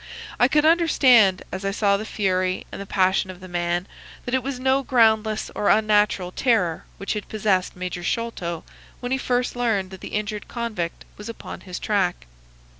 I could understand, as I saw the fury and the passion of the man, that it was no groundless or unnatural terror which had possessed Major Sholto when he first learned that the injured convict was upon his track.